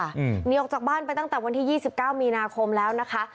หนีออกจากบ้านไปตั้งแต่วันที่ยี่สิบเก้ามีนาคมแล้วนะคะ